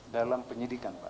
dalam penyidikan pak